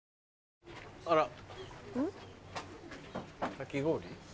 かき氷？